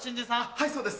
はいそうです。